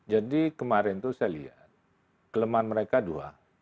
jadi kemarin itu saya lihat kelemahan mereka dua